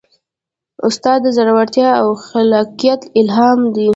استاد د زړورتیا او خلاقیت الهام دی.